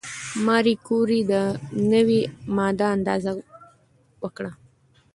ماري کوري د نوې ماده اندازه وکړه.